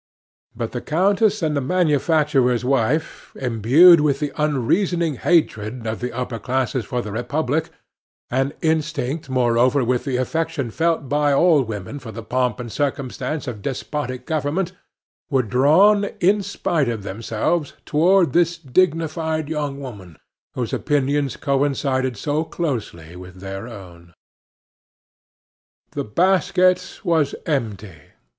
But the countess and the manufacturer's wife, imbued with the unreasoning hatred of the upper classes for the Republic, and instinct, moreover, with the affection felt by all women for the pomp and circumstance of despotic government, were drawn, in spite of themselves, toward this dignified young woman, whose opinions coincided so closely with their own. The basket was empty.